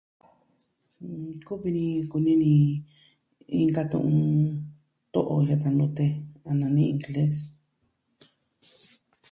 Kuvi ni kuni ni, inka tu'un, to'o yata nute a nani ingles.